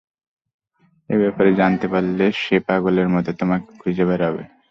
এই ব্যাপারে জানতে পারলে, সে পাগলের মত তোমাকে খুঁজে বেড়াবে।